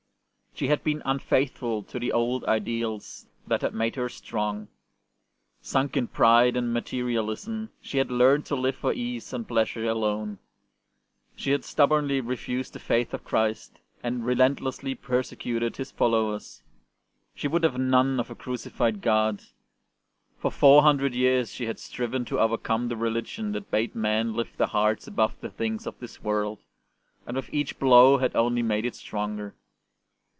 She had been unfaithful to the old ideals that had made her strong. Sunk in pride and material ism, she had learnt to live for ease and pleasure alone ; she had stubbornly refused the faith of Christ and relentlessly persecuted His fol lowers; she would have none of a crucified 13 14 ST. BENEDICT God. For four hundred years she had striven to overcome the reHgion that bade men Hft their hearts above the things of this world, and with each blow had only made it stronger.